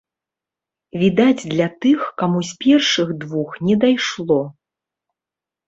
Відаць, для тых, каму з першых двух не дайшло.